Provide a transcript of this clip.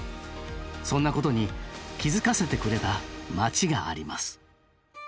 そんなことに気付かせてくれた町があります。